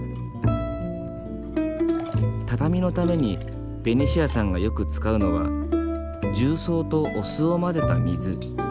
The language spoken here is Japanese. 畳のためにベニシアさんがよく使うのは重曹とお酢を混ぜた水。